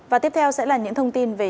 và tiếp theo sẽ là những thông tin về